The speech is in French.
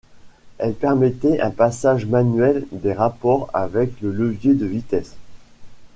Elle permettait un passage manuel des rapports avec le levier de vitesse.